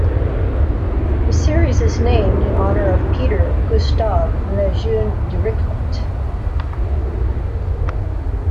The series is named in honor of Peter Gustav Lejeune Dirichlet.